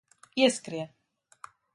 Ieskrie